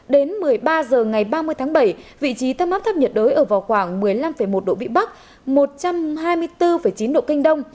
đến một mươi ba h ngày ba mươi tháng bảy vị trí tâm áp thấp nhiệt đới ở vào khoảng một mươi năm một độ vn một trăm hai mươi bốn chín độ kd